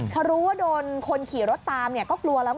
พอรู้ว่าโดนคนขี่รถตามก็กลัวแล้ว